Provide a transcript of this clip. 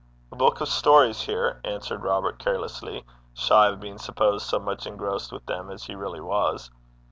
'A buik o' stories, here,' answered Robert, carelessly, shy of being supposed so much engrossed with them as he really was.